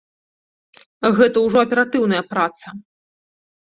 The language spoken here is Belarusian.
Гэта ўжо аператыўная праца.